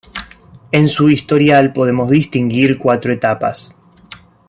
En su historial podemos distinguir cuatro etapas.